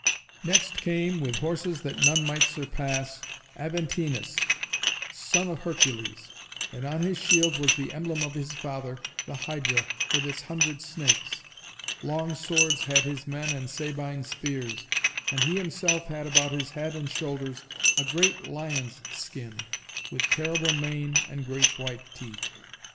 Next came, with horses that none might surpass, Aventinus, son of Hercules; and on his shield was the emblem of his father, the Hydra, with its hundred snakes. Long swords had his men and Sabine spears; and he himself had about his head and shoulders a great lion's skin, with terrible mane and great white teeth.